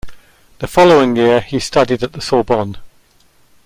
The following year he studied at the Sorbonne.